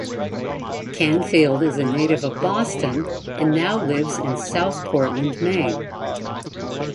Canfield is a native of Boston, and now lives in South Portland, Maine.